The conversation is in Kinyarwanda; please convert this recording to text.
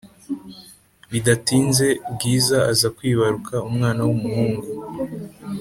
bidatinze bwiza aza kwibaruka umwana wumuhungu